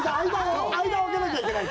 間を空けなきゃいけないから。